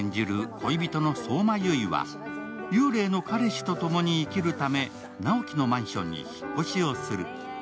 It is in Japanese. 恋人の相馬悠依は幽霊の彼氏と共に生きるため直木のマンションに引っ越しをする。